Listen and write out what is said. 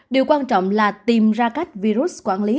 điều quan trọng là tìm ra cách virus quản lý